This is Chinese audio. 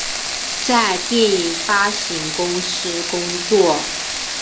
在电影发行公司工作。